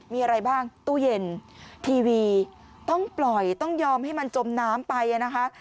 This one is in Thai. มีอะไรบ้างตู้เย็นทีวีต้องปล่อยต้องยอมให้มันจมน้ำไปนะคะ